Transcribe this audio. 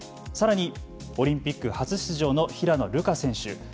さらにオリンピック初出場の平野流佳選手。